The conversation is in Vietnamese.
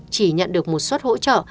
chỉ nhận được một suất hỗ trợ